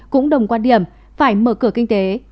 cũng đồng quan điểm phải mở cửa kinh tế